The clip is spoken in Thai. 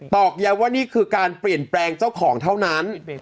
อกย้ำว่านี่คือการเปลี่ยนแปลงเจ้าของเท่านั้น